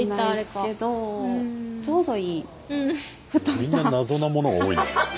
みんな謎なものが多いな。